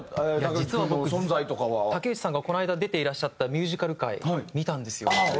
実は僕竹内さんがこの間出ていらっしゃったミュージカル回見たんですよ。